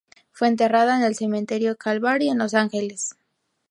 Fue enterrada en el cementerio Calvary, en Los Ángeles.